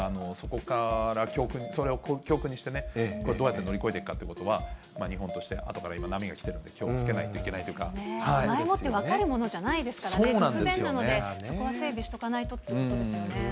だから、それを教訓にして、どうやって乗り越えていくかということは、日本としてあとから波が来てるんで、気をつけないといけないとい前もって分かるものじゃないですからね、突然ですからね、そこは整備しとかないとってことですよね。